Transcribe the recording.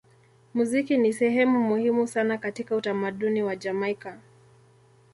Muziki ni sehemu muhimu sana katika utamaduni wa Jamaika.